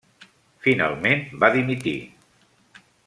Finalment va dimitir.